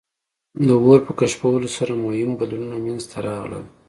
د اور په کشفولو سره مهم بدلونونه منځ ته راغلل.